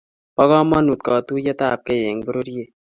po komonut katuiyetabkei eng pororyet